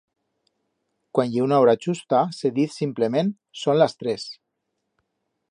Cuan ye una hora chusta, se diz, simplement, son las tres.